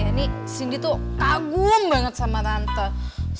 ini cindy tuh kagum banget sama tante